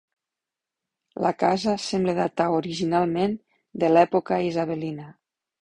La casa sembla datar originalment de l'època Isabelina.